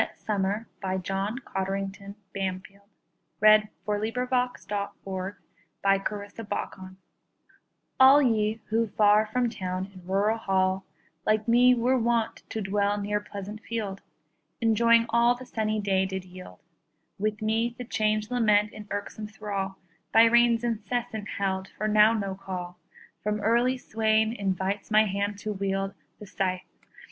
C D . E F . G H . I J . K L . M N . O P . Q R . S T . U V . W X . Y Z Sonnet on a Wet Summer ALL ye who far from town in rural hall, Like me, were wont to dwell near pleasant field, Enjoying all the sunny day did yield, With me the change lament, in irksome thrall, By rains incessant held; for now no call From early swain invites my hand to wield The scythe.